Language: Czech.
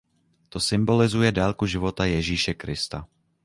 To symbolizuje délku života Ježíše Krista.